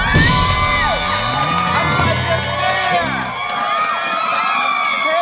เข้าไปเยอะเยอะ